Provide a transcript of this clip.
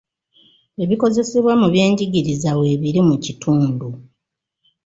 Ebikozesebwa mu byenjigiriza weebiri mu kitundu.